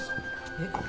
えっ？